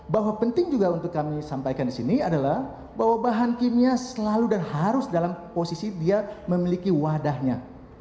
bahwa penting juga untuk kami sampaikan di sini adalah bahwa bahan kimia selalu dan harus dalam posisi dia memiliki wadahnya